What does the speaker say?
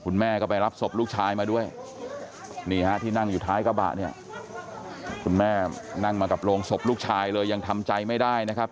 นี่ฮะที่นั่งอยู่ท้ายกระบะเนี่ยคุณแม่นั่งมากับโรงศพลูกชายเลยยังทำใจไม่ได้นะครับ